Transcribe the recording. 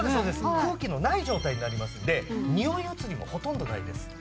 空気のない状態になりますのでにおいうつりもほとんどないです。